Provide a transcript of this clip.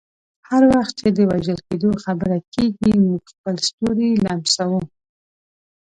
هر وخت چې د وژل کیدو خبره کیږي، موږ خپل ستوري لمسوو.